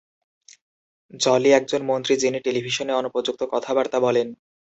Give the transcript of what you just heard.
জলি, একজন মন্ত্রী যিনি টেলিভিশনে অনুপযুক্ত কথাবার্তা বলেন।